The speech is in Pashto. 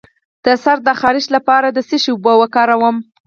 د سر د خارښ لپاره د څه شي اوبه وکاروم؟